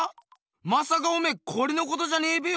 まさかおめえこれのことじゃねえべよ。